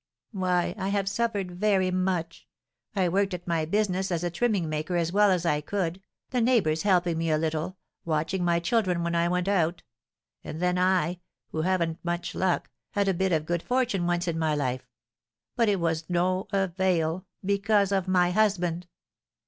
"Why, I have suffered very much. I worked at my business as a trimming maker as well as I could, the neighbours helping me a little, watching my children when I went out. And then I, who haven't much luck, had a bit of good fortune once in my life; but it was no avail, because of my husband."